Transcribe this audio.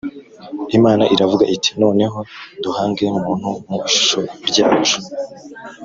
"Imana iravuga iti "Noneho duhange Muntu mu ishusho ryacu